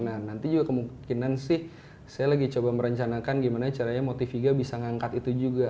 nah nanti juga kemungkinan sih saya lagi coba merencanakan gimana caranya motiviga bisa ngangkat itu juga